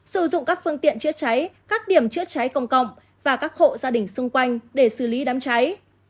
sử dụng các phương tiện chữa cháy các điểm chữa cháy công cộng và các hộ gia đình xung quanh để xử lý đám cháy